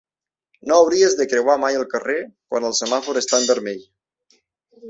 No hauries de creuar mai el carrer quan el semàfor està en vermell.